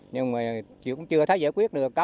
nhưng mà cũng chưa thấy giải quyết được